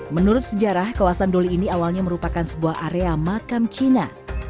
menurut sejarah kawasan doli ini awalnya merupakan sebuah area makam cina